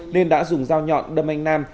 nên đã dùng dao nhọn đâm anh nam